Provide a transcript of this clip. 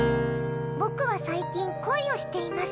僕は最近、恋をしています。